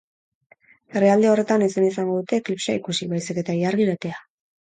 Herrialde horretan ezin izango dute eklipsea ikusi, baizik eta ilargi betea.